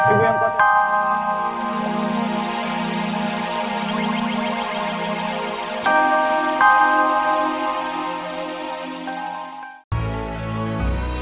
ibu yang kota